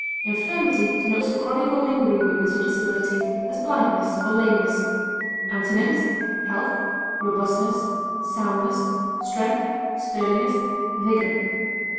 Infirmity denotes a chronic or lingering weakness or disability, as blindness or lameness. Antonyms: health, robustness, soundness, strength, sturdiness, vigor.